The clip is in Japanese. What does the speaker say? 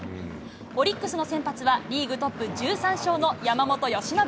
オリックスの先発は、リーグトップ１３勝の山本由伸。